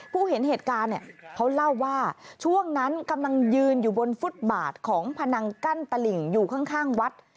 เห็นเหตุการณ์เนี่ยเขาเล่าว่าช่วงนั้นกำลังยืนอยู่บนฟุตบาทของพนังกั้นตลิ่งอยู่ข้างวัด